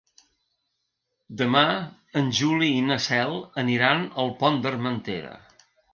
Demà en Juli i na Cel aniran al Pont d'Armentera.